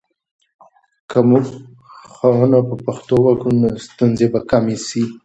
که موږ ښوونه په پښتو وکړو، نو ستونزې به کمې سي.